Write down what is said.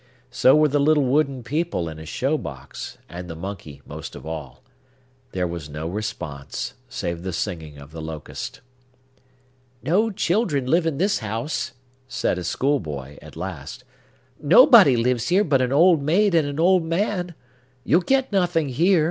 So were the little wooden people in his show box, and the monkey most of all. There was no response, save the singing of the locust. "No children live in this house," said a schoolboy, at last. "Nobody lives here but an old maid and an old man. You'll get nothing here!